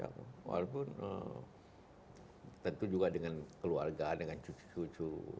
walaupun tentu juga dengan keluarga dengan cucu cucu